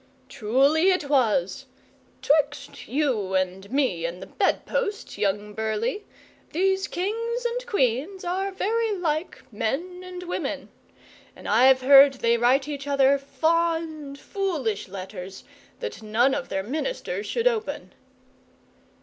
'Truly, it was. 'Twixt you and me and the bedpost, young Burleigh, these kings and queens are very like men and women, and I've heard they write each other fond, foolish letters that none of their ministers should open.